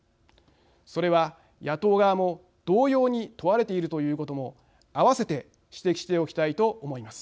それは野党側も同様に問われているということも併せて指摘しておきたいと思います。